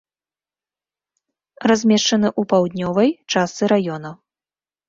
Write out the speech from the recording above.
Размешчаны ў паўднёвай частцы раёна.